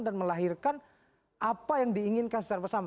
dan melahirkan apa yang diinginkan secara bersama